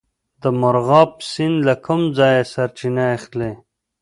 مرغاب سیند له کوم ځای سرچینه اخلي؟